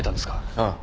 ああ